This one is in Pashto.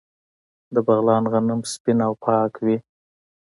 د بغلان غنم سپین او پاک وي.